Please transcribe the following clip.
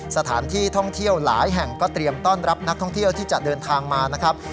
สถานที่ท่องเที่ยวหลายแห่งก็เตรียมต้อนรับนักท่องเที่ยวที่จะเดินทางมานะครับ